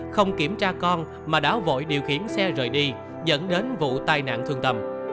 không kiểm tra con mà đã vội điều khiển xe rời đi dẫn đến vụ tai nạn thương tâm